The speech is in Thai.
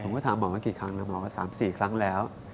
ก็ถามหมอมากี่ครั้งแล้วหมอว่า๓๔ครั้งแล้ว